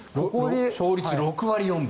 勝率６割４分。